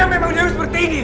ya memang dewi seperti ini